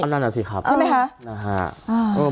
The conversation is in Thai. นั่นแหละสิครับใช่ไหมครับ